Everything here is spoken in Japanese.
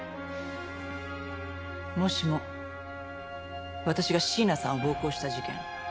もしも私が椎名さんを暴行した事件。